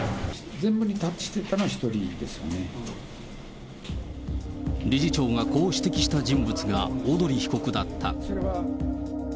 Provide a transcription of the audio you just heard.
全部にタッチしていたのは１理事長がこう指摘した人物が小鳥被告だった。